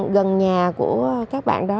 gần nhà của các bạn đó